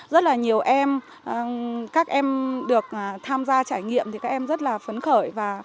rất là nhiều em các em được tham gia trải nghiệm thì các em rất là phấn khởi và